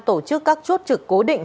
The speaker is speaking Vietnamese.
tổ chức các chốt trực cố định